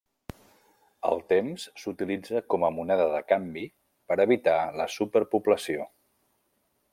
El temps s'utilitza com a moneda de canvi per evitar la superpoblació.